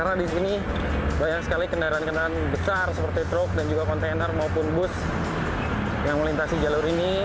karena di sini banyak sekali kendaraan kendaraan besar seperti truk dan juga kontainer maupun bus yang melintasi jalur ini